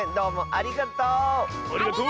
ありがとう！